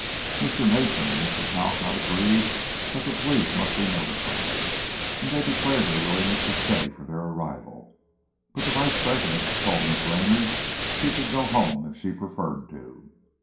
Mr. Mason and Mr. Talcott agreed that the police must be notified and they declared their willingness to stay for their arrival. But the vice president told Miss Raynor she could go home if she preferred to.